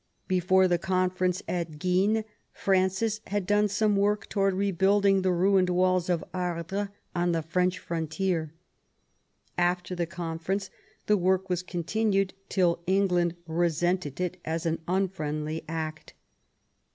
Before the conference at Guisnes Francis had done some work towards rebuilding the ruined walls of Ardres on the French frontier. After the conference the work was continued till England resented it as an unfriendly act.